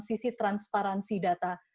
sisi transparansi data